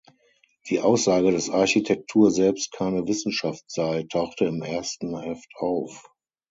Die Aussage, dass Architektur selbst keine Wissenschaft sei, tauchte im ersten Heft auf.